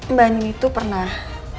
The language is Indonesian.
mbak nini tuh pernah